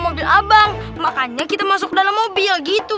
mobil abang makanya kita masuk dalam mobil gitu